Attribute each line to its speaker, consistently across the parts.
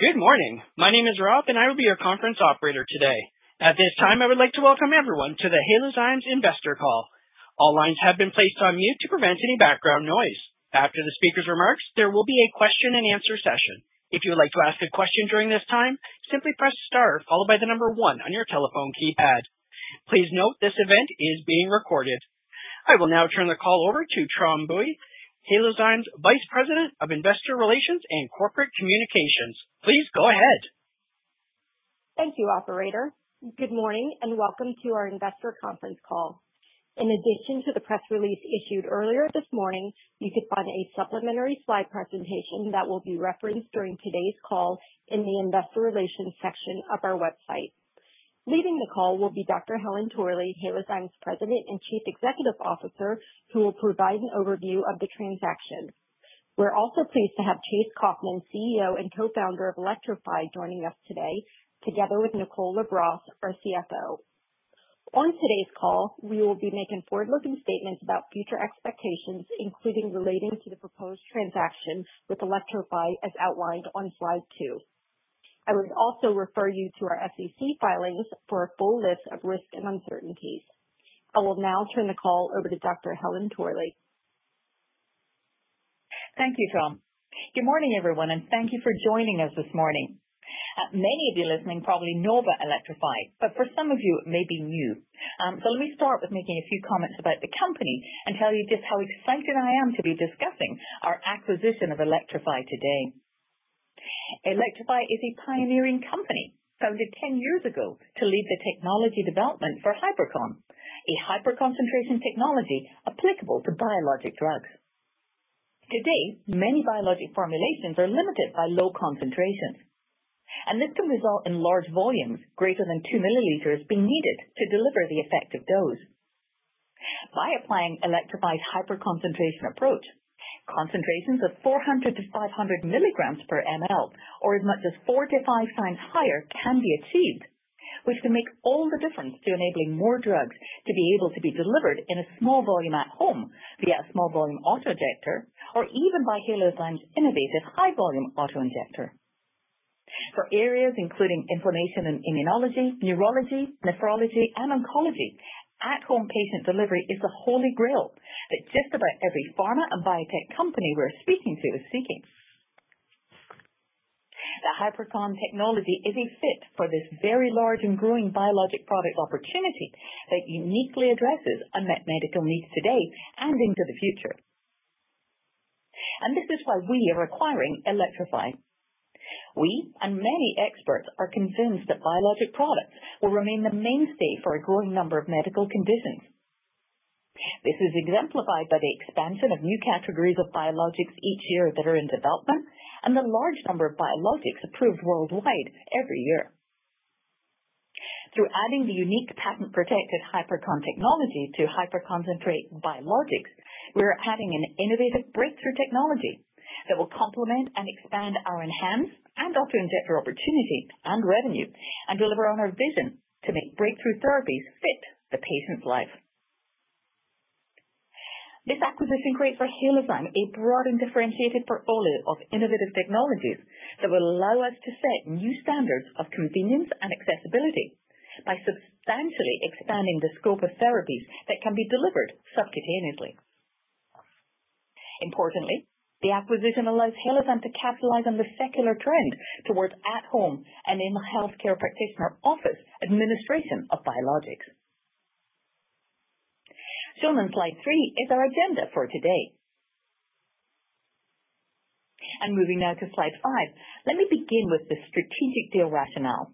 Speaker 1: Good morning. My name is Rob, and I will be your conference operator today. At this time, I would like to welcome everyone to the Halozyme's investor call. All lines have been placed on mute to prevent any background noise. After the speaker's remarks, there will be a question-and-answer session. If you would like to ask a question during this time, simply press star followed by the number one on your telephone keypad. Please note this event is being recorded. I will now turn the call over to Tram Bui, Halozyme's Vice President of Investor Relations and Corporate Communications. Please go ahead.
Speaker 2: Thank you, Operator. Good morning and welcome to our investor conference call. In addition to the press release issued earlier this morning, you could find a supplementary slide presentation that will be referenced during today's call in the investor relations section of our website. Leading the call will be Dr. Helen Torley, Halozyme's President and Chief Executive Officer, who will provide an overview of the transaction. We're also pleased to have Chase Coffman, CEO and co-founder of Elektrofi, joining us today together with Nicole LaBrosse, our CFO. On today's call, we will be making forward-looking statements about future expectations, including relating to the proposed transaction with Elektrofi as outlined on slide two. I would also refer you to our SEC filings for a full list of risk and uncertainties. I will now turn the call over to Dr. Helen Torley.
Speaker 3: Thank you, Tram. Good morning, everyone, and thank you for joining us this morning. Many of you listening probably know about Elektrofi, but for some of you, it may be new. So let me start with making a few comments about the company and tell you just how excited I am to be discussing our acquisition of Elektrofi today. Elektrofi is a pioneering company founded 10 years ago to lead the technology development for Hypercon, a hyperconcentration technology applicable to biologic drugs. Today, many biologic formulations are limited by low concentrations, and this can result in large volumes greater than two milliliters being needed to deliver the effective dose. By applying Elektrofi's Hypercon approach, concentrations of 400-500 milligrams per mL, or as much as four to five times higher, can be achieved, which can make all the difference to enabling more drugs to be able to be delivered in a small volume at home via a small volume autoinjector or even by Halozyme's innovative high volume autoinjector. For areas including inflammation and immunology, neurology, nephrology, and oncology, at-home patient delivery is the holy grail that just about every pharma and biotech company we're speaking to is seeking. The Hypercon technology is a fit for this very large and growing biologic product opportunity that uniquely addresses unmet medical needs today and into the future. And this is why we are acquiring Elektrofi. We and many experts are convinced that biologic products will remain the mainstay for a growing number of medical conditions. This is exemplified by the expansion of new categories of biologics each year that are in development and the large number of biologics approved worldwide every year. Through adding the unique patent-protected Hypercon technology to hyperconcentrate biologics, we're adding an innovative breakthrough technology that will complement and expand our enhanced and autoinjector opportunity and revenue and deliver on our vision to make breakthrough therapies fit the patient's life. This acquisition creates for Halozyme a broad and differentiated portfolio of innovative technologies that will allow us to set new standards of convenience and accessibility by substantially expanding the scope of therapies that can be delivered subcutaneously. Importantly, the acquisition allows Halozyme to capitalize on the secular trend towards at-home and in the healthcare practitioner office administration of biologics. Shown on slide three is our agenda for today. And moving now to slide five, let me begin with the strategic deal rationale.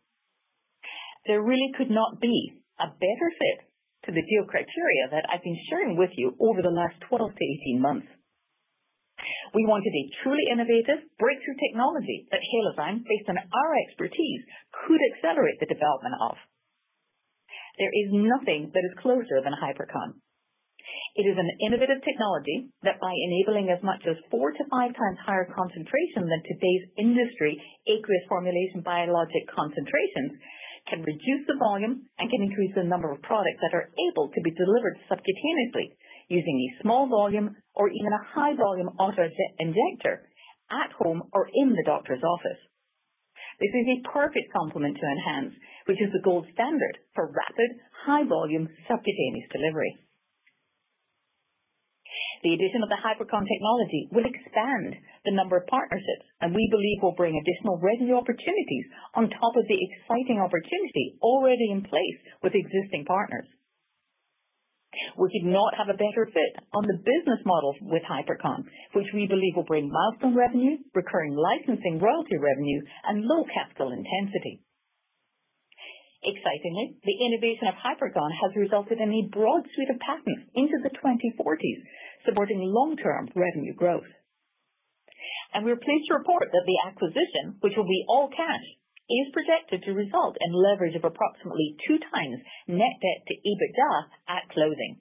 Speaker 3: There really could not be a better fit to the deal criteria that I've been sharing with you over the last 12 to 18 months. We wanted a truly innovative breakthrough technology that Halozyme, based on our expertise, could accelerate the development of. There is nothing that is closer than Hypercon. It is an innovative technology that, by enabling as much as four to five times higher concentration than today's industry average formulation biologic concentrations, can reduce the volume and can increase the number of products that are able to be delivered subcutaneously using a small volume or even a high volume autoinjector at home or in the doctor's office. This is a perfect complement to ENHANZE, which is the gold standard for rapid, high volume subcutaneous delivery. The addition of the Hypercon technology will expand the number of partnerships, and we believe will bring additional revenue opportunities on top of the exciting opportunity already in place with existing partners. We could not have a better fit on the business model with Hypercon, which we believe will bring milestone revenue, recurring licensing, royalty revenue, and low capital intensity. Excitingly, the innovation of Hypercon has resulted in a broad suite of patents into the 2040s, supporting long-term revenue growth. And we're pleased to report that the acquisition, which will be all cash, is projected to result in leverage of approximately two times net debt to EBITDA at closing.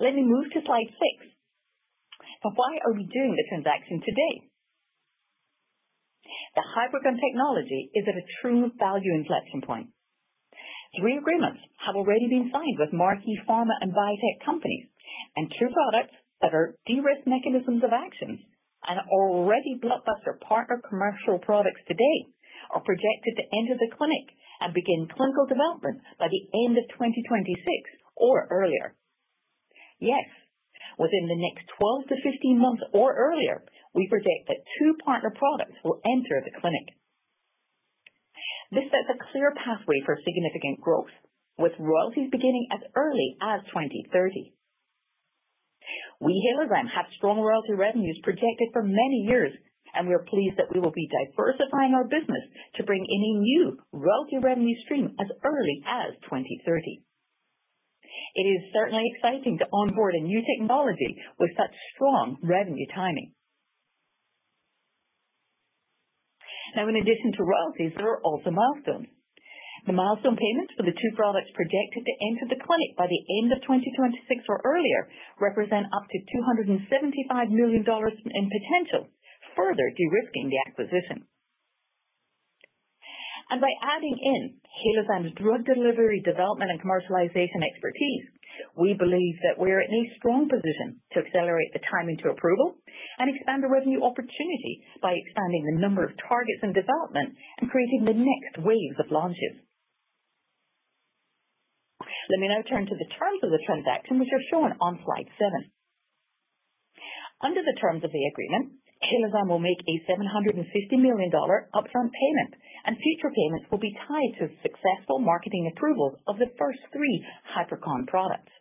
Speaker 3: Let me move to slide six. But why are we doing the transaction today? The Hypercon technology is at a true value inflection point. Three agreements have already been signed with marquee pharma and biotech companies, and two products that are de-risked mechanisms of action and are already blockbuster partner commercial products today are projected to enter the clinic and begin clinical development by the end of 2026 or earlier. Yes, within the next 12 to 15 months or earlier, we project that two partner products will enter the clinic. This sets a clear pathway for significant growth, with royalties beginning as early as 2030. We Halozyme have strong royalty revenues projected for many years, and we are pleased that we will be diversifying our business to bring any new royalty revenue stream as early as 2030. It is certainly exciting to onboard a new technology with such strong revenue timing. Now, in addition to royalties, there are also milestones. The milestone payments for the two products projected to enter the clinic by the end of 2026 or earlier represent up to $275 million in potential, further de-risking the acquisition. And by adding in Halozyme's drug delivery development and commercialization expertise, we believe that we're in a strong position to accelerate the timing to approval and expand the revenue opportunity by expanding the number of targets in development and creating the next waves of launches. Let me now turn to the terms of the transaction, which are shown on slide seven. Under the terms of the agreement, Halozyme will make a $750 million upfront payment, and future payments will be tied to successful marketing approvals of the first three Hypercon products.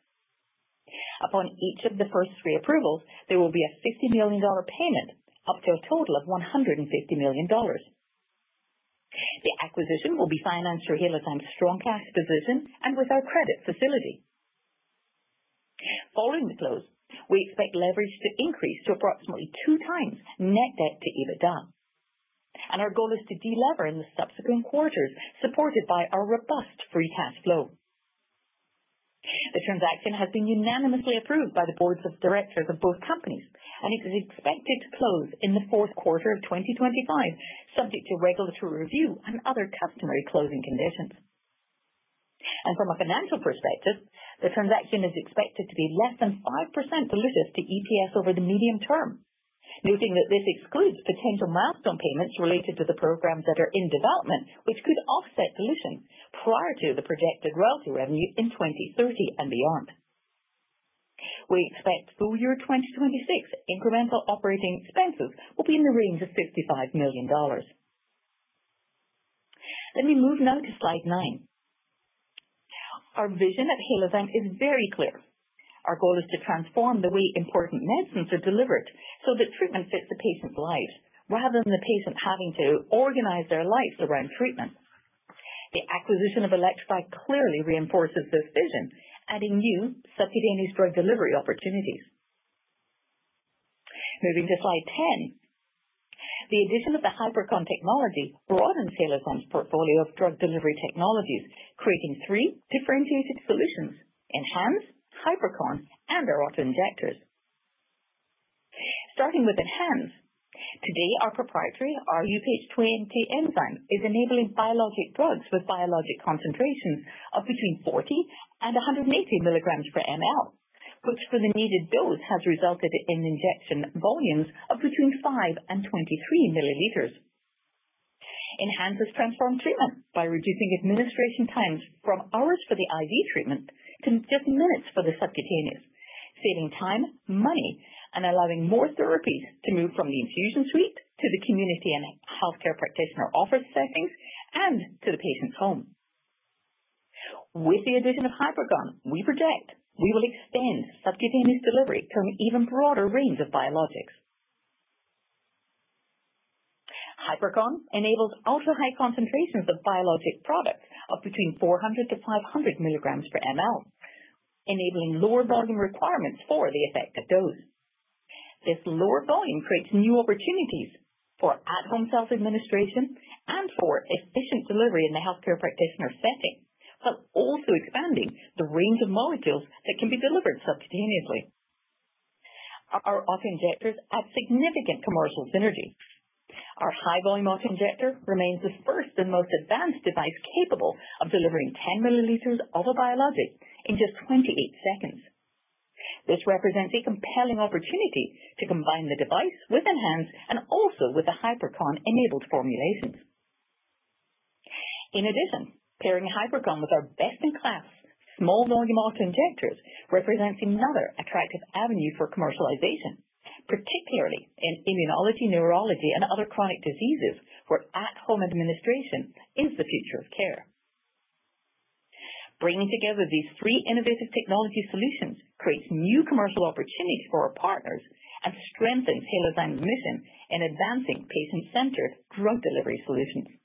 Speaker 3: Upon each of the first three approvals, there will be a $50 million payment up to a total of $150 million. The acquisition will be financed through Halozyme's strong cash position and with our credit facility. Following the close, we expect leverage to increase to approximately two times net debt to EBITDA. Our goal is to delever in the subsequent quarters, supported by our robust free cash flow. The transaction has been unanimously approved by the boards of directors of both companies, and it is expected to close in the fourth quarter of 2025, subject to regulatory review and other customary closing conditions. From a financial perspective, the transaction is expected to be less than 5% dilutive to EPS over the medium term, noting that this excludes potential milestone payments related to the programs that are in development, which could offset dilution prior to the projected royalty revenue in 2030 and beyond. We expect full year 2026 incremental operating expenses will be in the range of $65 million. Let me move now to slide 9. Our vision at Halozyme is very clear. Our goal is to transform the way important medicines are delivered so that treatment fits the patient's lives rather than the patient having to organize their lives around treatment. The acquisition of Elektrofi clearly reinforces this vision, adding new subcutaneous drug delivery opportunities. Moving to slide 10, the addition of the Hypercon technology broadens Halozyme's portfolio of drug delivery technologies, creating three differentiated solutions: ENHANZE, Hypercon, and our autoinjectors. Starting with ENHANZE, today our proprietary rHuPH20 enzyme is enabling biologic drugs with high concentrations of between 40 and 180 milligrams per mL, which for the needed dose has resulted in injection volumes of between 5 and 23 milliliters. ENHANZE has transformed treatment by reducing administration times from hours for the IV treatment to just minutes for the subcutaneous, saving time, money, and allowing more therapies to move from the infusion suite to the community and healthcare practitioner office settings and to the patient's home. With the addition of Hypercon, we project we will extend subcutaneous delivery to an even broader range of biologics. Hypercon enables ultra-high concentrations of biologic products of between 400-500 milligrams per mL, enabling lower volume requirements for the effective dose. This lower volume creates new opportunities for at-home self-administration and for efficient delivery in the healthcare practitioner setting, while also expanding the range of molecules that can be delivered subcutaneously. Our autoinjectors add significant commercial synergy. Our high volume autoinjector remains the first and most advanced device capable of delivering 10 milliliters of a biologic in just 28 seconds. This represents a compelling opportunity to combine the device with ENHANZE and also with the Hypercon-enabled formulations. In addition, pairing Hypercon with our best-in-class small volume autoinjectors represents another attractive avenue for commercialization, particularly in immunology, neurology, and other chronic diseases where at-home administration is the future of care. Bringing together these three innovative technology solutions creates new commercial opportunities for our partners and strengthens Halozyme's mission in advancing patient-centered drug delivery solutions.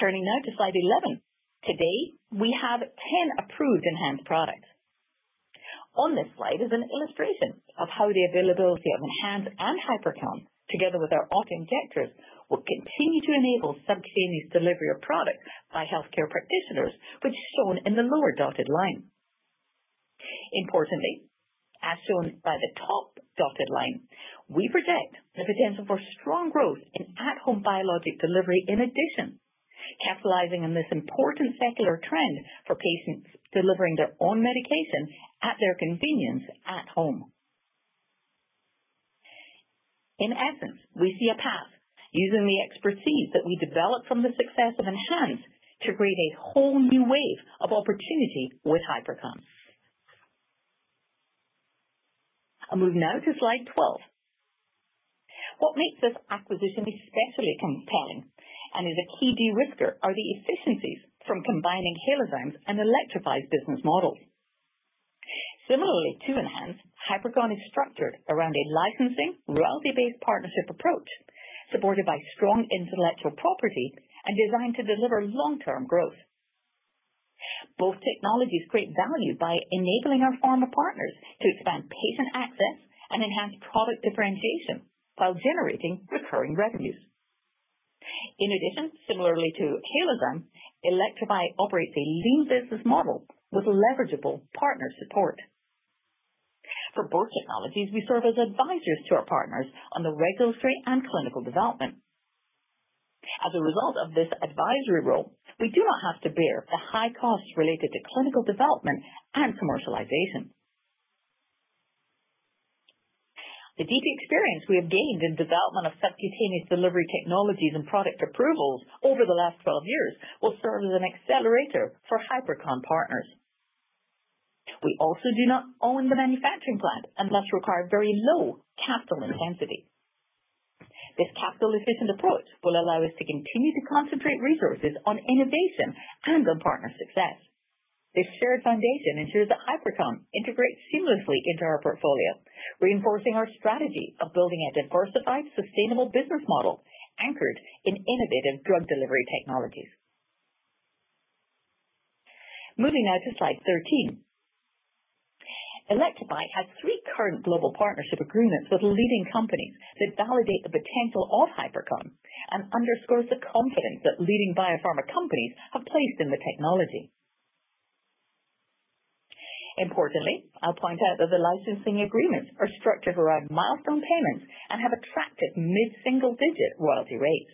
Speaker 3: Turning now to slide 11, today we have 10 approved ENHANZE products. On this slide is an illustration of how the availability of ENHANZE and Hypercon, together with our autoinjectors, will continue to enable subcutaneous delivery of products by healthcare practitioners, which is shown in the lower dotted line. Importantly, as shown by the top dotted line, we project the potential for strong growth in at-home biologic delivery, in addition capitalizing on this important secular trend for patients delivering their own medication at their convenience at home. In essence, we see a path using the expertise that we developed from the success of ENHANZE to create a whole new wave of opportunity with Hypercon. I'll move now to slide 12. What makes this acquisition especially compelling and is a key de-risker are the efficiencies from combining Halozyme's and Elektrofi's business models. Similarly to ENHANZE, Hypercon is structured around a licensing, royalty-based partnership approach supported by strong intellectual property and designed to deliver long-term growth. Both technologies create value by enabling our pharma partners to expand patient access and ENHANZE product differentiation while generating recurring revenues. In addition, similarly to Halozyme, Elektrofi operates a lean business model with leverageable partner support. For both technologies, we serve as advisors to our partners on the regulatory and clinical development. As a result of this advisory role, we do not have to bear the high costs related to clinical development and commercialization. The deep experience we have gained in development of subcutaneous delivery technologies and product approvals over the last 12 years will serve as an accelerator for Hypercon partners. We also do not own the manufacturing plant and thus require very low capital intensity. This capital-efficient approach will allow us to continue to concentrate resources on innovation and on partner success. This shared foundation ensures that Hypercon integrates seamlessly into our portfolio, reinforcing our strategy of building a diversified, sustainable business model anchored in innovative drug delivery technologies. Moving now to slide 13, Elektrofi has three current global partnership agreements with leading companies that validate the potential of Hypercon and underscores the confidence that leading biopharma companies have placed in the technology. Importantly, I'll point out that the licensing agreements are structured around milestone payments and have attractive mid-single-digit royalty rates.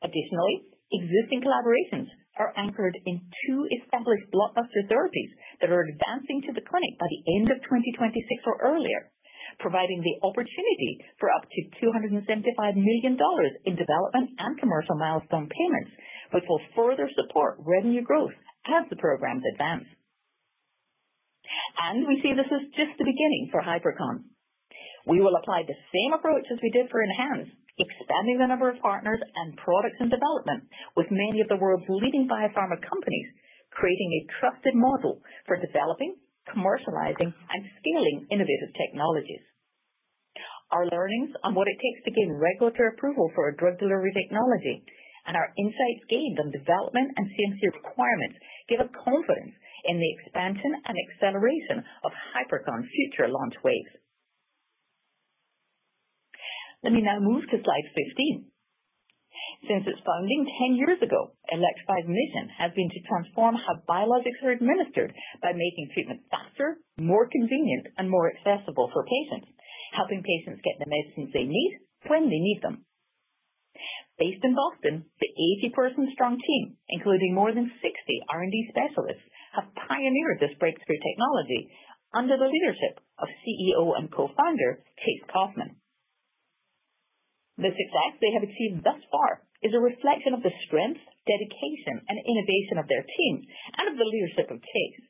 Speaker 3: Additionally, existing collaborations are anchored in two established blockbuster therapies that are advancing to the clinic by the end of 2026 or earlier, providing the opportunity for up to $275 million in development and commercial milestone payments, which will further support revenue growth as the programs advance, and we see this as just the beginning for Hypercon. We will apply the same approach as we did for ENHANZE, expanding the number of partners and products in development with many of the world's leading biopharma companies, creating a trusted model for developing, commercializing, and scaling innovative technologies. Our learnings on what it takes to gain regulatory approval for a drug delivery technology and our insights gained on development and CMC requirements give us confidence in the expansion and acceleration of Hypercon's future launch waves. Let me now move to slide 15. Since its founding 10 years ago, Elektrofi's mission has been to transform how biologics are administered by making treatment faster, more convenient, and more accessible for patients, helping patients get the medicines they need when they need them. Based in Boston, the 80-person strong team, including more than 60 R&D specialists, have pioneered this breakthrough technology under the leadership of CEO and co-founder Chase Coffman. The success they have achieved thus far is a reflection of the strength, dedication, and innovation of their team and of the leadership of Chase.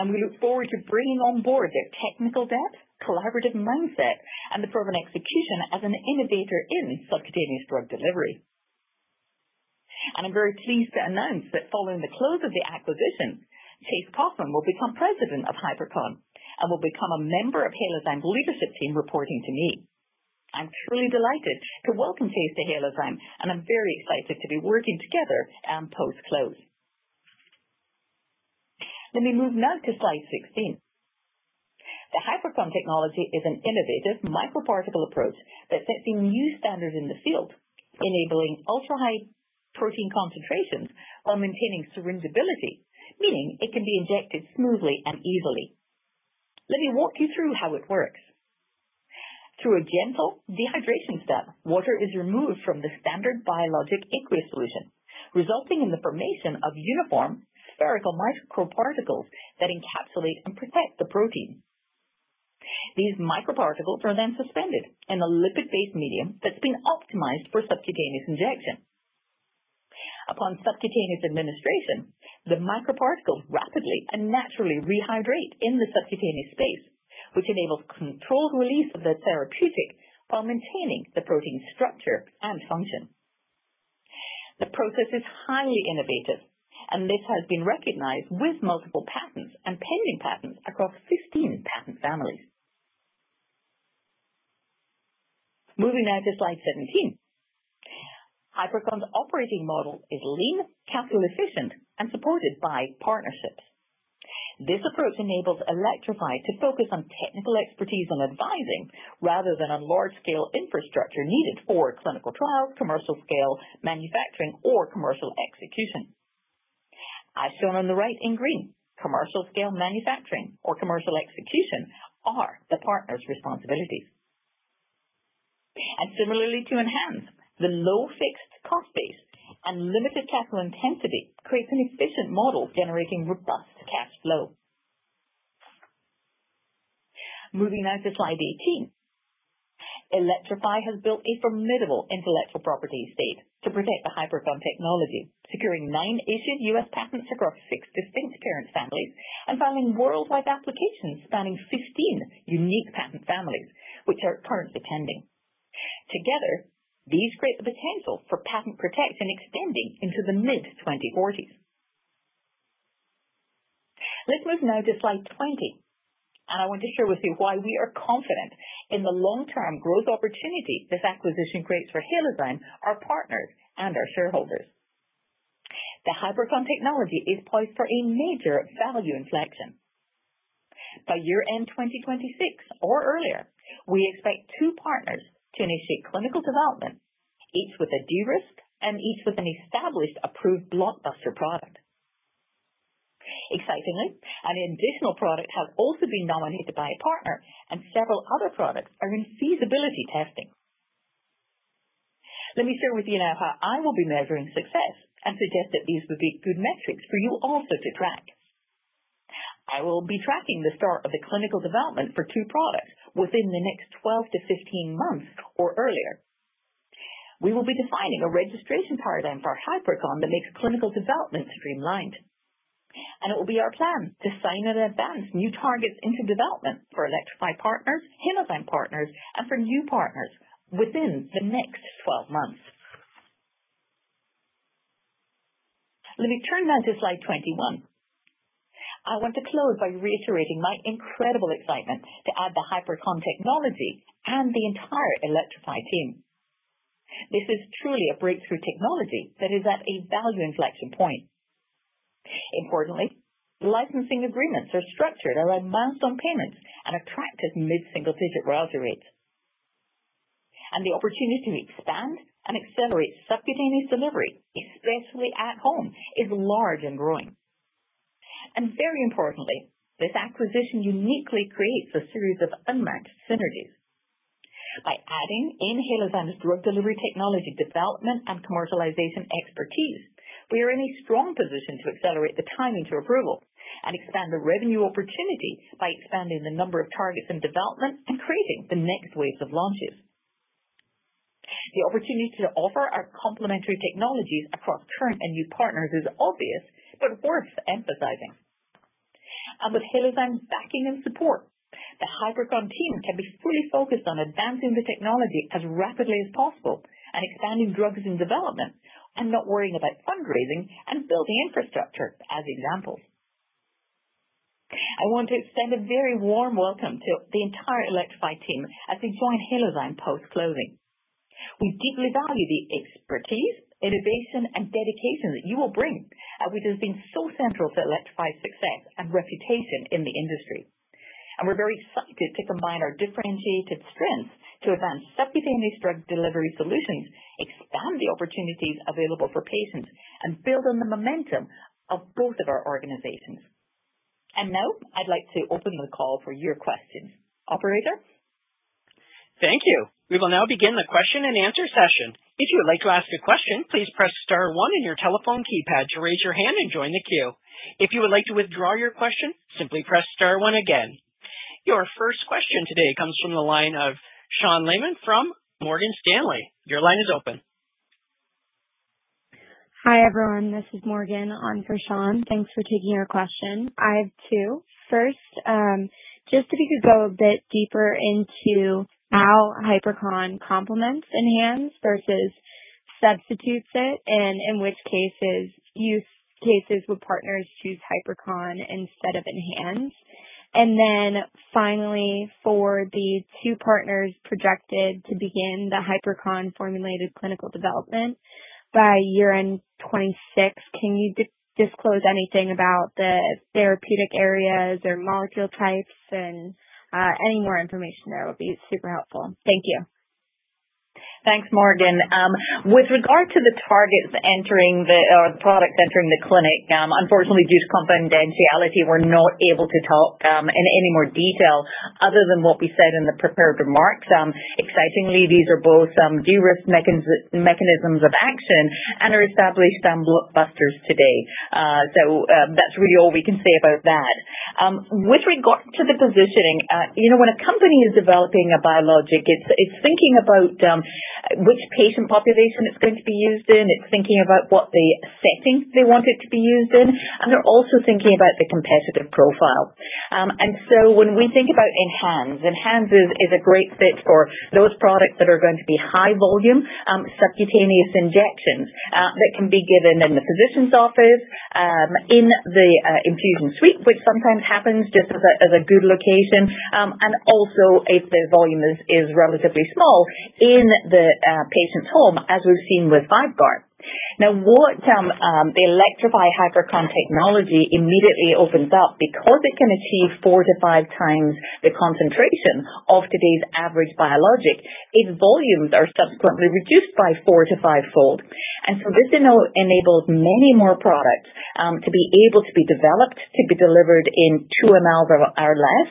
Speaker 3: We look forward to bringing on board their technical depth, collaborative mindset, and the proven execution as an innovator in subcutaneous drug delivery. I'm very pleased to announce that following the close of the acquisition, Chase Coffman will become president of Hypercon and will become a member of Halozyme's leadership team reporting to me. I'm truly delighted to welcome Chase to Halozyme, and I'm very excited to be working together and post-close. Let me move now to slide 16. The Hypercon technology is an innovative microparticle approach that sets a new standard in the field, enabling ultra-high protein concentrations while maintaining syringeability, meaning it can be injected smoothly and easily. Let me walk you through how it works. Through a gentle dehydration step, water is removed from the standard biologic aqueous solution, resulting in the formation of uniform spherical microparticles that encapsulate and protect the protein. These microparticles are then suspended in a lipid-based medium that's been optimized for subcutaneous injection. Upon subcutaneous administration, the microparticles rapidly and naturally rehydrate in the subcutaneous space, which enables controlled release of the therapeutic while maintaining the protein's structure and function. The process is highly innovative, and this has been recognized with multiple patents and pending patents across 15 patent families. Moving now to slide 17, Hypercon's operating model is lean, capital-efficient, and supported by partnerships. This approach enables Elektrofi to focus on technical expertise and advising rather than on large-scale infrastructure needed for clinical trials, commercial-scale manufacturing, or commercial execution. As shown on the right in green, commercial-scale manufacturing or commercial execution are the partners' responsibilities, and similarly to enhance, the low fixed cost base and limited capital intensity creates an efficient model generating robust cash flow. Moving now to slide 18, Elektrofi has built a formidable intellectual property estate to protect the Hypercon technology, securing nine issued U.S. patents across six distinct parent families and filing worldwide applications spanning 15 unique patent families, which are currently pending. Together, these create the potential for patent protection extending into the mid-2040s. Let's move now to slide 20, and I want to share with you why we are confident in the long-term growth opportunity this acquisition creates for Halozyme, our partners, and our shareholders. The Hypercon technology is poised for a major value inflection. By year-end 2026 or earlier, we expect two partners to initiate clinical development, each with a de-risk and each with an established approved blockbuster product. Excitingly, an additional product has also been nominated by a partner, and several other products are in feasibility testing. Let me share with you now how I will be measuring success and suggest that these would be good metrics for you also to track. I will be tracking the start of the clinical development for two products within the next 12-15 months or earlier. We will be defining a registration paradigm for Hypercon that makes clinical development streamlined, and it will be our plan to sign and advance new targets into development for Elektrofi partners, Halozyme partners, and for new partners within the next 12 months. Let me turn now to slide 21. I want to close by reiterating my incredible excitement to add the Hypercon technology and the entire Elektrofi team. This is truly a breakthrough technology that is at a value inflection point. Importantly, the licensing agreements are structured around milestone payments and attractive mid-single-digit royalty rates. The opportunity to expand and accelerate subcutaneous delivery, especially at home, is large and growing. And very importantly, this acquisition uniquely creates a series of unmatched synergies. By adding in Halozyme's drug delivery technology development and commercialization expertise, we are in a strong position to accelerate the timing to approval and expand the revenue opportunity by expanding the number of targets in development and creating the next wave of launches. The opportunity to offer our complementary technologies across current and new partners is obvious but worth emphasizing. With Halozyme's backing and support, the Hypercon team can be fully focused on advancing the technology as rapidly as possible and expanding drugs in development and not worrying about fundraising and building infrastructure as examples. I want to extend a very warm welcome to the entire Elektrofi team as we join Halozyme post-closing. We deeply value the expertise, innovation, and dedication that you will bring, which has been so central to Elektrofi's success and reputation in the industry. We're very excited to combine our differentiated strengths to advance subcutaneous drug delivery solutions, expand the opportunities available for patients, and build on the momentum of both of our organizations. Now I'd like to open the call for your questions, operator.
Speaker 1: Thank you. We will now begin the question and answer session. If you would like to ask a question, please press star one in your telephone keypad to raise your hand and join the queue. If you would like to withdraw your question, simply press star one again. Your first question today comes from the line of Sean Laaman from Morgan Stanley. Your line is open. Hi everyone, this is Morgan on for Sean. Thanks for taking your question. I have two. First, just if you could go a bit deeper into how Hypercon complements ENHANZE versus substitutes it, and in which cases would partners choose Hypercon instead of ENHANZE. And then finally, for the two partners projected to begin the Hypercon formulated clinical development by year-end 2026, can you disclose anything about the therapeutic areas or molecule types and any more information there would be super helpful? Thank you.
Speaker 3: Thanks, Morgan. With regard to the targets, the products entering the clinic, unfortunately, due to confidentiality, we're not able to talk in any more detail other than what we said in the prepared remarks. Excitingly, these are both de-risk mechanisms of action and are established blockbusters today. That's really all we can say about that. With regard to the positioning, when a company is developing a biologic, it's thinking about which patient population it's going to be used in. It's thinking about what the setting they want it to be used in, and they're also thinking about the competitive profile. And so when we think about ENHANZE, ENHANZE is a great fit for those products that are going to be high-volume subcutaneous injections that can be given in the physician's office, in the infusion suite, which sometimes happens just as a good location, and also if the volume is relatively small in the patient's home, as we've seen with VYVGART. Now, what the Elektrofi Hypercon technology immediately opens up, because it can achieve four to five times the concentration of today's average biologic, its volumes are subsequently reduced by four to five-fold. And so this enables many more products to be able to be developed, to be delivered in two mL or less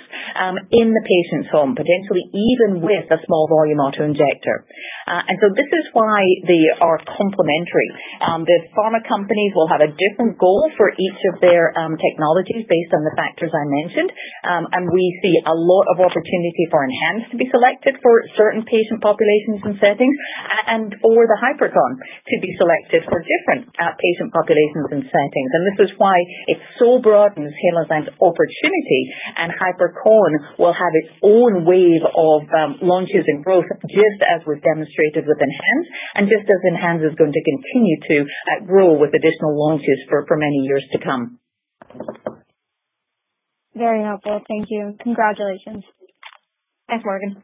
Speaker 3: in the patient's home, potentially even with a small volume autoinjector. And so this is why they are complementary. The pharma companies will have a different goal for each of their technologies based on the factors I mentioned, and we see a lot of opportunity for ENHANZE to be selected for certain patient populations and settings, and for the Hypercon to be selected for different patient populations and settings. And this is why it so broadens Halozyme's opportunity, and Hypercon will have its own wave of launches and growth, just as was demonstrated with ENHANZE, and just as ENHANZE is going to continue to grow with additional launches for many years to come. Very helpful. Thank you. Congratulations.
Speaker 1: Thanks, Morgan.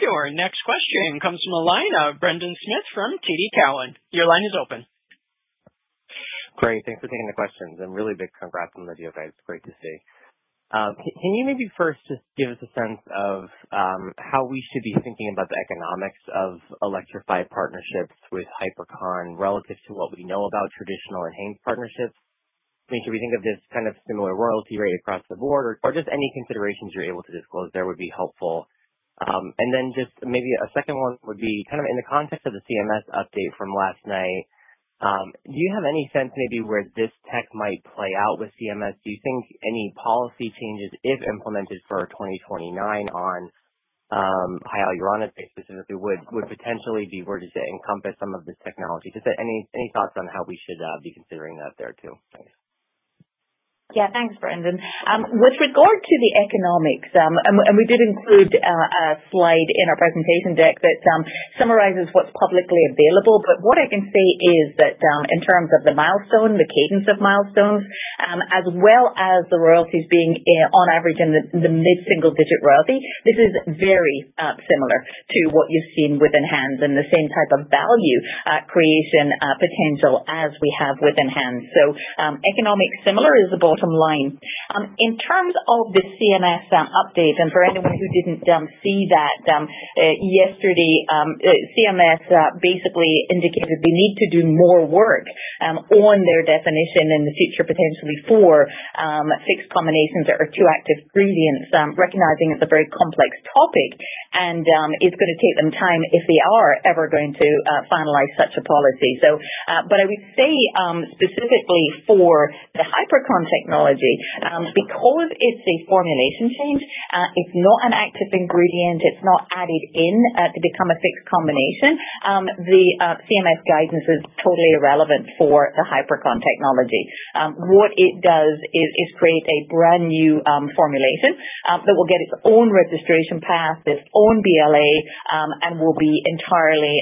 Speaker 1: Your next question comes from Brendan Smith from TD Cowen. Your line is open.
Speaker 4: Great. Thanks for taking the questions. And really big congrats on the deal guys. It's great to see. Can you maybe first just give us a sense of how we should be thinking about the economics of Elektrofi partnerships with Hypercon relative to what we know about traditional enhance partnerships? I mean, should we think of this kind of similar royalty rate across the board, or just any considerations you're able to disclose there would be helpful? And then just maybe a second one would be kind of in the context of the CMS update from last night. Do you have any sense maybe where this tech might play out with CMS? Do you think any policy changes, if implemented for 2029 on hyaluronidase specifically, would potentially be where to encompass some of this technology? Just any thoughts on how we should be considering that there too, thanks.
Speaker 3: Yeah, thanks, Brendan. With regard to the economics, and we did include a slide in our presentation deck that summarizes what's publicly available, but what I can see is that in terms of the milestone, the cadence of milestones, as well as the royalties being on average in the mid-single-digit royalty, this is very similar to what you've seen with ENHANZE and the same type of value creation potential as we have with ENHANZE. Economically similar is the bottom line. In terms of the CMS update, and for anyone who didn't see that yesterday, CMS basically indicated they need to do more work on their definition in the future, potentially for fixed combinations or two-active ingredient, recognizing it's a very complex topic and it's going to take them time if they are ever going to finalize such a policy. I would say specifically for the Hypercon technology, because it's a formulation change, it's not an active ingredient, it's not added in to become a fixed combination, the CMS guidance is totally irrelevant for the Hypercon technology. What it does is create a brand new formulation that will get its own registration pass, its own BLA, and will be entirely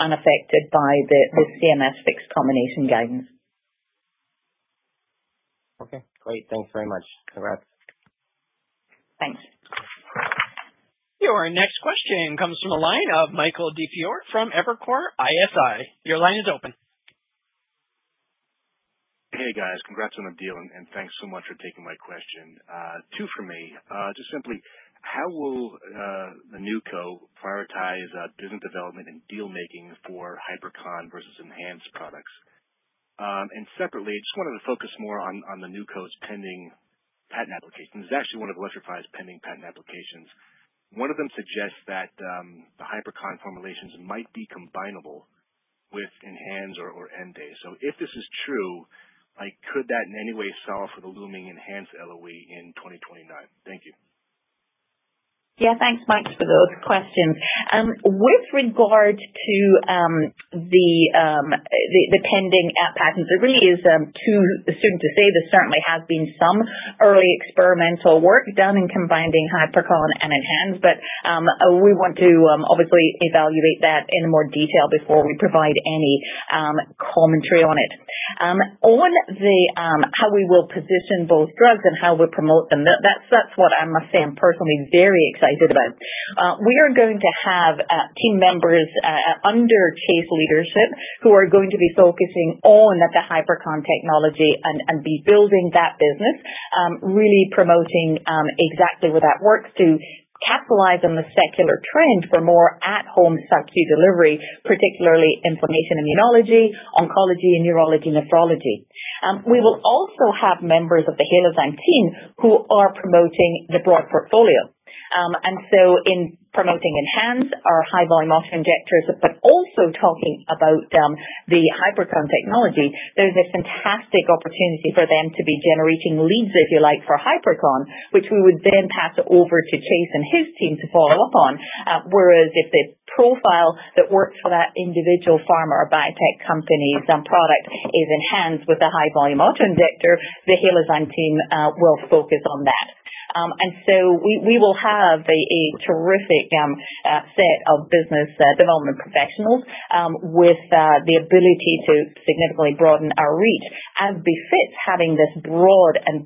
Speaker 3: unaffected by the CMS fixed combination guidance.
Speaker 4: Okay, great. Thanks very much. Congrats.
Speaker 1: Thanks. Your next question comes from Michael DiFiore from Evercore ISI. Your line is open.
Speaker 5: Hey guys, congrats on the deal, and thanks so much for taking my question. Two for me. Just simply, how will the new co-prioritize business development and deal-making for Hypercon versus ENHANZE products? And separately, I just wanted to focus more on the new co's pending patent applications. It's actually one of Elektrofi's pending patent applications. One of them suggests that the Hypercon formulations might be combinable with ENHANZE or. IIf this is true, could that in any way solve for the looming ENHANZE LOE in 2029? Thank you.
Speaker 3: Yeah, thanks, Mike, for those questions. With regard to the pending patents, it really is too soon to say. There certainly has been some early experimental work done in combining Hypercon and ENHANZE, but we want to obviously evaluate that in more detail before we provide any commentary on it. On how we will position both drugs and how we promote them, that's what I must say I'm personally very excited about. We are going to have team members under chief leadership who are going to be focusing on the Hypercon technology and be building that business, really promoting exactly where that works to capitalize on the secular trend for more at-home sub-Q delivery, particularly inflammation, immunology, oncology, and neurology, nephrology. We will also have members of the Halozyme team who are promoting the broad portfolio. And so in promoting ENHANZE or high-volume autoinjectors, but also talking about the Hypercon technology, there's a fantastic opportunity for them to be generating leads, if you like, for Hypercon, which we would then pass over to Chase and his team to follow up on. Whereas if the profile that works for that individual pharma or biotech company's product is enhanced with a high-volume autoinjector, the Halozyme team will focus on that. And so we will have a terrific set of business development professionals with the ability to significantly broaden our reach as befits having this broad and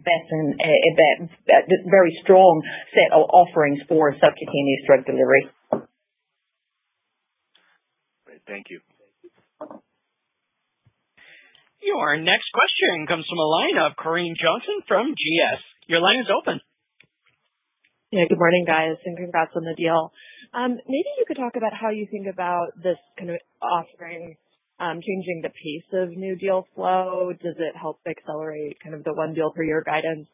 Speaker 3: very strong set of offerings for subcutaneous drug delivery.
Speaker 5: Great, thank you.
Speaker 1: Your next question comes from Corinne Jenkins from Goldman Sachs. Your line is open.
Speaker 6: Yeah, good morning guys, and congrats on the deal. Maybe you could talk about how you think about this offering changing the pace of new deal flow. Does it help accelerate kind of the one deal per year guidance?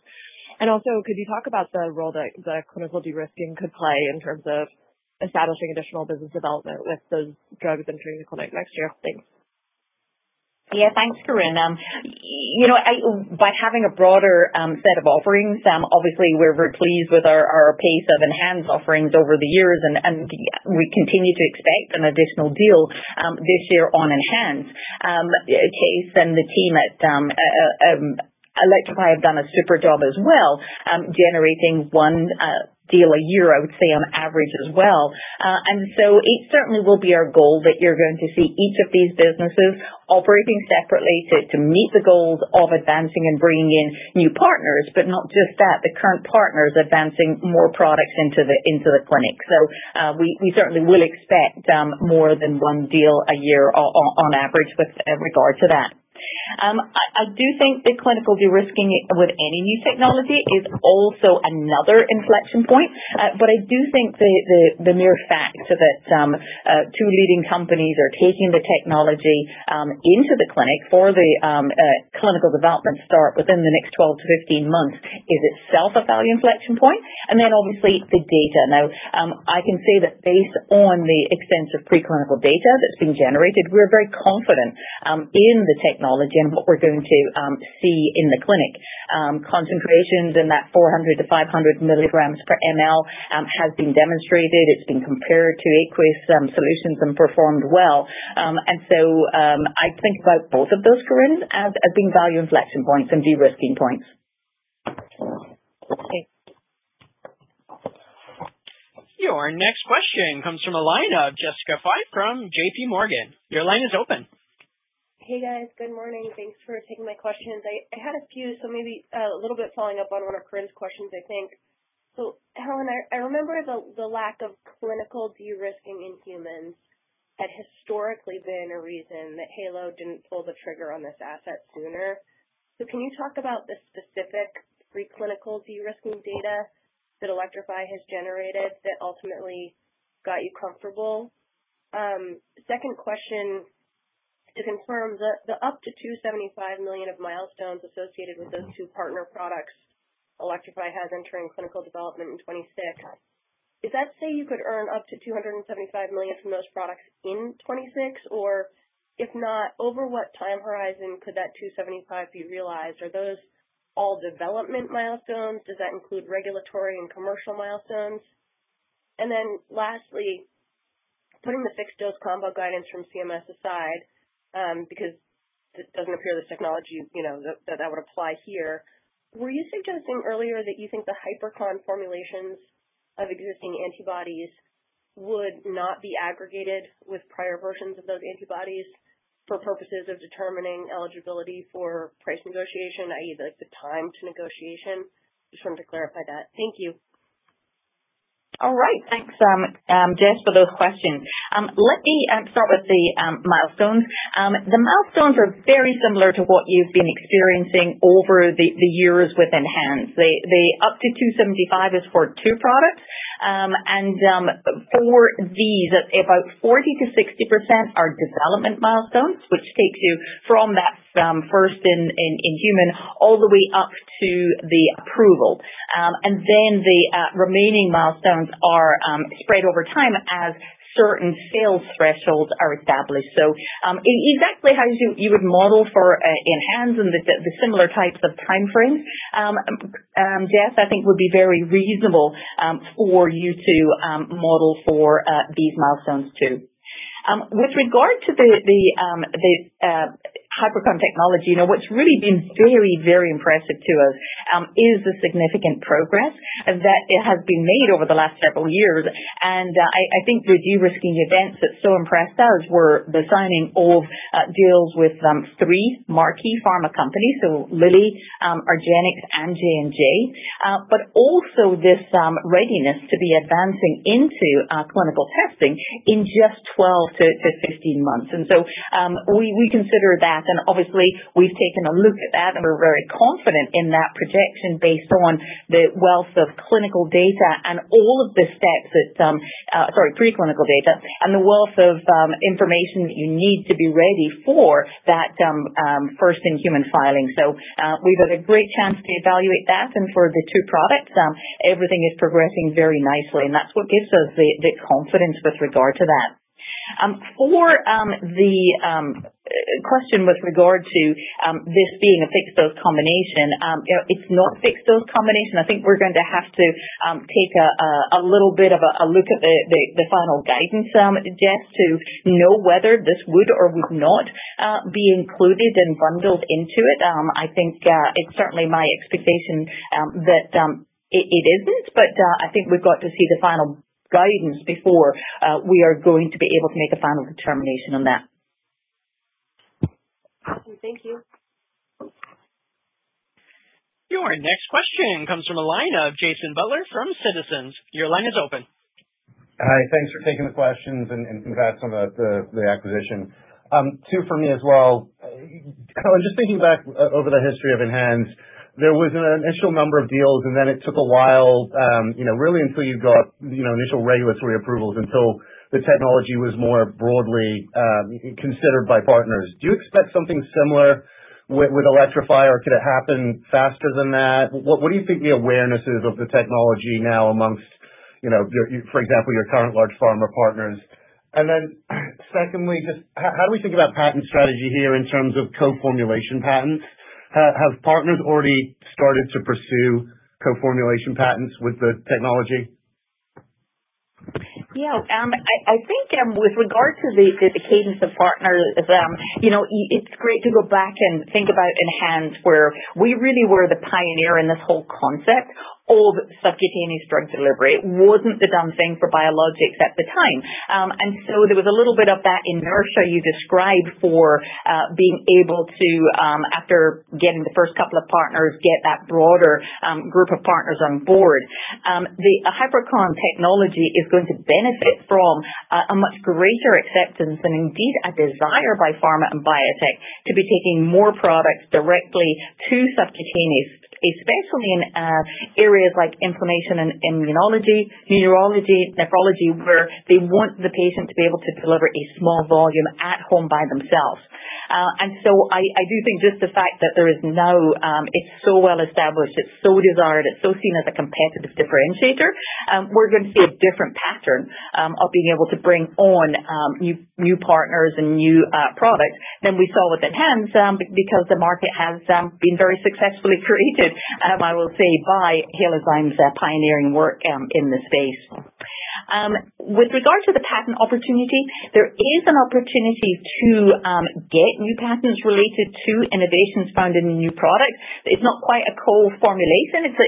Speaker 6: And also, could you talk about the role that the clinical de-risking could play in terms of establishing additional business development with those drugs entering the clinic next year? Thanks.
Speaker 3: Yeah, thanks, Corinne. By having a broader set of offerings, obviously we're very pleased with our pace of ENHANZE offerings over the years, and we continue to expect an additional deal this year on ENHANZE. Chase and the team at Elektrofi have done a super job as well, generating one deal a year, I would say, on average as well. And so it certainly will be our goal that you're going to see each of these businesses operating separately to meet the goals of advancing and bringing in new partners, but not just that, the current partners advancing more products into the clinic. We certainly will expect more than one deal a year on average with regard to that. I do think the clinical de-risking with any new technology is also another inflection point, but I do think the mere fact that two leading companies are taking the technology into the clinic for the clinical development start within the next 12-15 months is itself a value inflection point, and then obviously the data. Now, I can say that based on the extensive preclinical data that's been generated, we're very confident in the technology and what we're going to see in the clinic. Concentrations in that 400-500 milligrams per mL have been demonstrated. It's been compared to aqueous solutions and performed well. And so I think about both of those, Corinne, as being value inflection points and de-risking points.
Speaker 1: Your next question comes from Jessica Fye from J.P. Morgan. Your line is open.
Speaker 7: Hey guys, good morning. Thanks for taking my questions.I had a few, so maybe a little bit following up on one of Corinne's questions, I think. So Helen, I remember the lack of clinical de-risking in humans had historically been a reason that Halo didn't pull the trigger on this asset sooner. Can you talk about the specific preclinical de-risking data that Elektrofi has generated that ultimately got you comfortable? Second question to confirm, the up to $275 million of milestones associated with those two partner products Elektrofi has entering clinical development in 2026, does that say you could earn up to $275 million from those products in 2026? Or if not, over what time horizon could that $275 million be realized? Are those all development milestones? Does that include regulatory and commercial milestones? And then lastly, putting the fixed-dose combo guidance from CMS aside, because it doesn't appear this technology that would apply here, were you suggesting earlier that you think the Hypercon formulations of existing antibodies would not be aggregated with prior versions of those antibodies for purposes of determining eligibility for price negotiation, i.e., the time to negotiation? Just wanted to clarify that. Thank you.
Speaker 3: All right, thanks, Jess, for those questions. Let me start with the milestones. The milestones are very similar to what you've been experiencing over the years with ENHANZE. The up to 275 is for two products, and for these, about 40%-60% are development milestones, which takes you from that first-in-human all the way up to the approval. And then the remaining milestones are spread over time as certain sales thresholds are established. Exactly how you would model for ENHANZE and the similar types of time frames, Jess, I think would be very reasonable for you to model for these milestones too. With regard to the Hypercon technology, what's really been very, very impressive to us is the significant progress that has been made over the last several years. I think the de-risking events that so impressed us were the signing of deals with three marquee pharma companies, so Lilly, argenx, and J&J, but also this readiness to be advancing into clinical testing in just 12-15 months. We consider that, and obviously we've taken a look at that, and we're very confident in that projection based on the wealth of clinical data and all of the steps that, sorry, preclinical data, and the wealth of information that you need to be ready for that first in human filing. So we've had a great chance to evaluate that, and for the two products, everything is progressing very nicely, and that's what gives us the confidence with regard to that. For the question with regard to this being a fixed dose combination, it's not a fixed dose combination. I think we're going to have to take a little bit of a look at the final guidance, Jess, to know whether this would or would not be included and bundled into it. I think it's certainly my expectation that it isn't, but I think we've got to see the final guidance before we are going to be able to make a final determination on that.
Speaker 7: Thank you.
Speaker 1: Your next question comes from Jason Butler from Citizens. Your line is open.
Speaker 8: Hi, thanks for taking the questions and congrats on the acquisition. Two for me as well. Just thinking back over the history of ENHANZE, there was an initial number of deals, and then it took a while really until you got initial regulatory approvals until the technology was more broadly considered by partners. Do you expect something similar with Elektrofi, or could it happen faster than that? What do you think the awareness is of the technology now amongst, for example, your current large pharma partners? And then secondly, just how do we think about patent strategy here in terms of co-formulation patents? Have partners already started to pursue co-formulation patents with the technology?
Speaker 3: Yeah, I think with regard to the cadence of partners, it's great to go back and think about ENHANZE, where we really were the pioneer in this whole concept of subcutaneous drug delivery. It wasn't the done thing for biologics at the time. And so there was a little bit of that inertia you described for being able to, after getting the first couple of partners, get that broader group of partners on board. The Hypercon technology is going to benefit from a much greater acceptance and indeed a desire by pharma and biotech to be taking more products directly to subcutaneous, especially in areas like inflammation and immunology, neurology, nephrology, where they want the patient to be able to deliver a small volume at home by themselves. And so I do think just the fact that there is now, it's so well established, it's so desired, it's so seen as a competitive differentiator, we're going to see a different pattern of being able to bring on new partners and new products than we saw with ENHANZE because the market has been very successfully created, I will say, by Halozyme's pioneering work in this space. With regard to the patent opportunity, there is an opportunity to get new patents related to innovations found in a new product. It's not quite a co-formulation. It's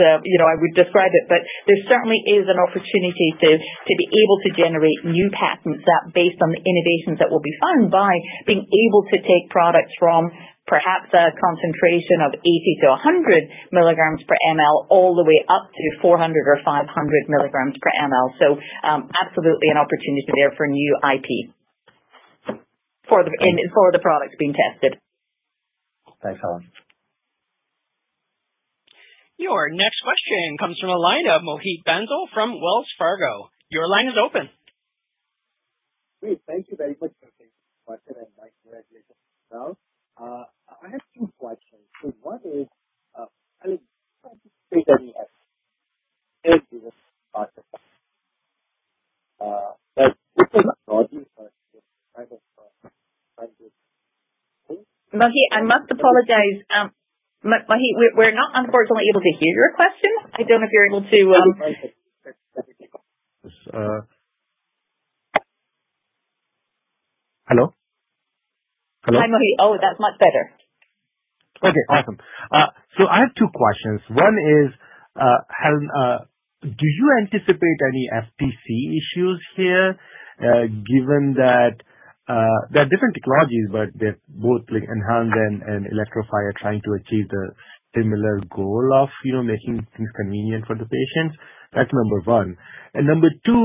Speaker 3: a-I would describe it, but there certainly is an opportunity to be able to generate new patents based on the innovations that will be found by being able to take products from perhaps a concentration of 80-100 milligrams per mL all the way up to 400 or 500 milligrams per mL. So absolutely an opportunity there for new IP for the products being tested.
Speaker 8: Thanks, Helen.
Speaker 1: Your next question comes from Mohit Bansal from Wells Fargo. Your line is open.
Speaker 9: Great, thank you very much for taking the question and my congratulations as well. I have two questions. Mohit,
Speaker 3: I must apologize. Mohit, we're not unfortunately able to hear your question. I don't know if you're able to. Hello? Hi, Mohit. Oh, that's much better.
Speaker 9: Okay, awesome. So I have two questions. One is, Helen, do you anticipate any FTC issues here given that they're different technologies, but they're both enhanced and Elektrofi are trying to achieve the similar goal of making things convenient for the patients? That's number one. And number two,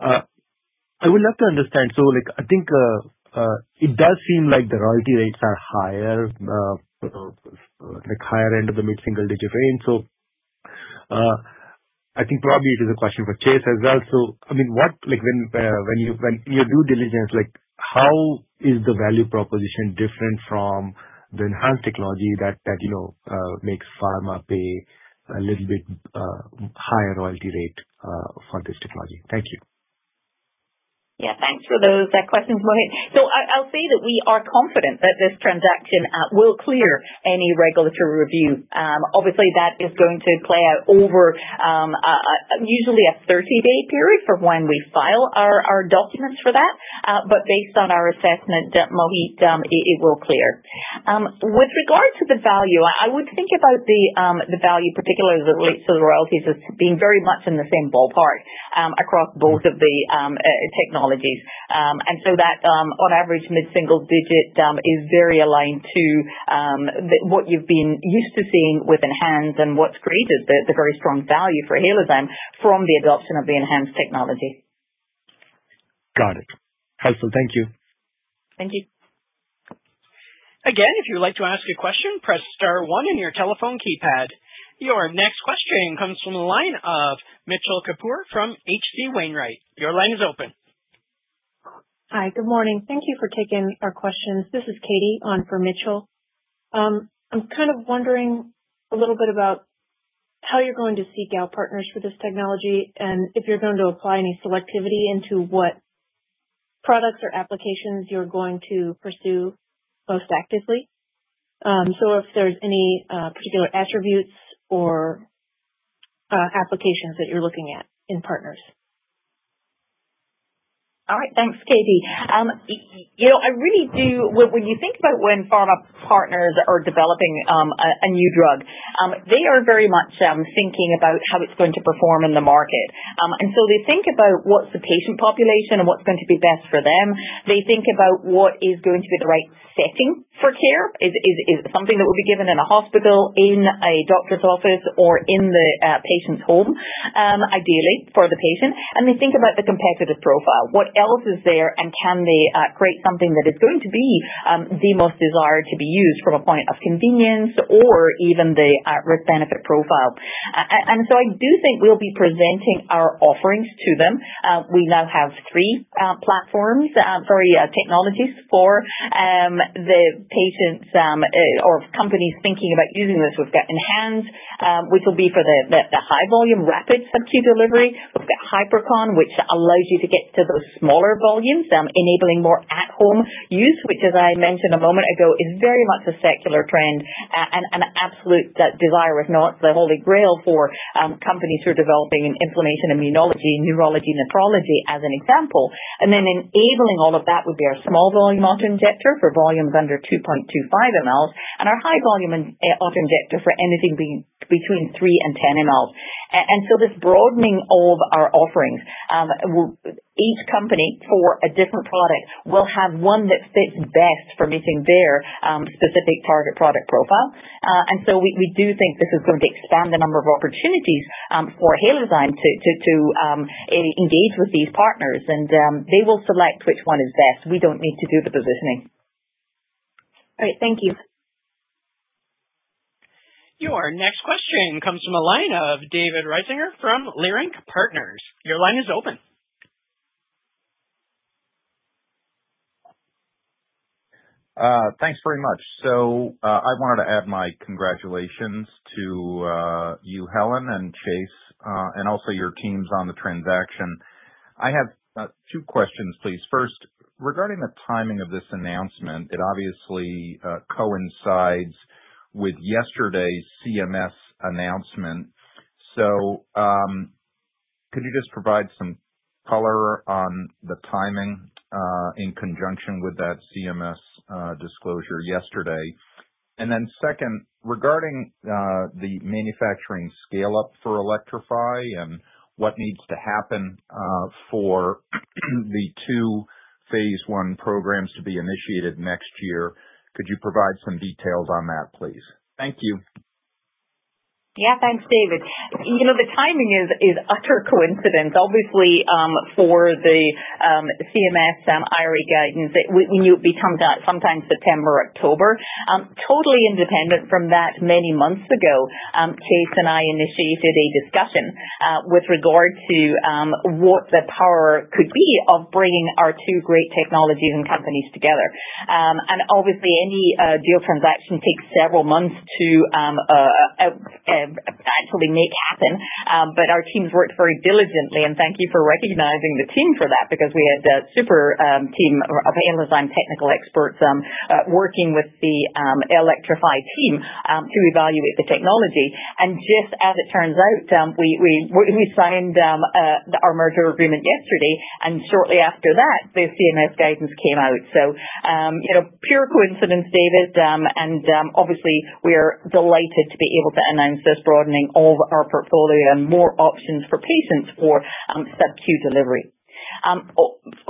Speaker 9: I would love to understand. So I think it does seem like the royalty rates are higher, higher end of the mid-single digit range. So I think probably it is a question for Chase as well. So I mean, when you do diligence, how is the value proposition different from the ENHANZE technology that makes pharma pay a little bit higher royalty rate for this technology? Thank you.
Speaker 3: Yeah, thanks for those questions, Mohit. So I'll say that we are confident that this transaction will clear any regulatory review. Obviously, that is going to play out over usually a 30-day period from when we file our documents for that. But based on our assessment, Mohit, it will clear. With regard to the value, I would think about the value, particularly as it relates to the royalties, as being very much in the same ballpark across both of the technologies. And so that, on average, mid-single digit is very aligned to what you've been used to seeing with ENHANZE and what's created the very strong value for Halozyme from the adoption of the enhanced technology.
Speaker 9: Got it. Helpful. Thank you.
Speaker 3: Thank you.
Speaker 1: Again, if you'd like to ask a question, press star one in your telephone keypad. Your next question comes from the line of Mitchell Kapoor from H.C. Wainwright. Your line is open. Hi, good morning. Thank you for taking our questions. This is Katie on for Mitchell. I'm kind of wondering a little bit about how you're going to seek out partners for this technology and if you're going to apply any selectivity into what products or applications you're going to pursue most actively. So if there's any particular attributes or applications that you're looking at in partners.
Speaker 3: All right, thanks, Katie. I really do, when you think about when pharma partners are developing a new drug, they are very much thinking about how it's going to perform in the market, and so they think about what's the patient population and what's going to be best for them. They think about what is going to be the right setting for care. Is it something that will be given in a hospital, in a doctor's office, or in the patient's home, ideally for the patient, and they think about the competitive profile. What else is there and can they create something that is going to be the most desired to be used from a point of convenience or even the risk-benefit profile, and so I do think we'll be presenting our offerings to them. We now have three platforms, sorry, technologies for the patients or companies thinking about using this. We've got ENHANZE, which will be for the high-volume rapid sub-Q delivery. We've got hypercon, which allows you to get to those smaller volumes, enabling more at-home use, which, as I mentioned a moment ago, is very much a secular trend and an absolute desire, if not the Holy Grail, for companies who are developing inflammation immunology, neurology, nephrology as an example. And then enabling all of that would be our small-volume autoinjector for volumes under 2.25 mL and our high-volume autoinjector for anything between 3 and 10 mL. And so this broadening of our offerings, each company for a different product will have one that fits best for meeting their specific target product profile. And so we do think this is going to expand the number of opportunities for Halozyme to engage with these partners, and they will select which one is best. We don't need to do the positioning. All right, thank you.
Speaker 1: Your next question comes from the line of David Risinger from Leerink Partners. Your line is open.
Speaker 10: Thanks very much. So I wanted to add my congratulations to you, Helen and Chase, and also your teams on the transaction. I have two questions, please. First, regarding the timing of this announcement, it obviously coincides with yesterday's CMS announcement. So could you just provide some color on the timing in conjunction with that CMS disclosure yesterday? And then second, regarding the manufacturing scale-up for Elektrofi and what needs to happen for the two Phase 1 programs to be initiated next year, could you provide some details on that, please? Thank you.
Speaker 3: Yeah, thanks, David. The timing is utter coincidence. Obviously, for the CMS IRA guidance, we knew it would be sometime September, October. Totally independent from that many months ago, Chase and I initiated a discussion with regard to what the power could be of bringing our two great technologies and companies together. And obviously, any deal transaction takes several months to actually make happen. But our teams worked very diligently, and thank you for recognizing the team for that because we had a super team of Halozyme technical experts working with the Elektrofi team to evaluate the technology. And just as it turns out, we signed our merger agreement yesterday, and shortly after that, the CMS guidance came out. So pure coincidence, David, and obviously, we are delighted to be able to announce this broadening of our portfolio and more options for patients for sub-Q delivery.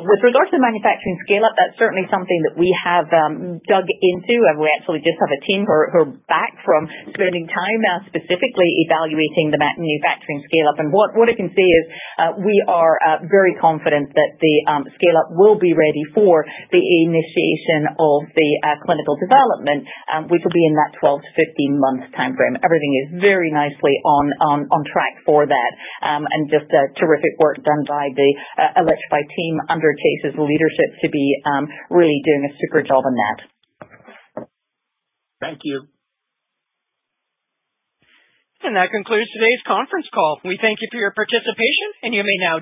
Speaker 3: With regard to the manufacturing scale-up, that's certainly something that we have dug into, and we actually just have a team who are back from spending time specifically evaluating the manufacturing scale-up. And what I can say is we are very confident that the scale-up will be ready for the initiation of the clinical development, which will be in that 12- to 15-month time frame. Everything is very nicely on track for that, and just terrific work done by the Elektrofi team under Chase's leadership to be really doing a super job on that.
Speaker 10: Thank you.
Speaker 1: And that concludes today's conference call. We thank you for your participation, and you may now.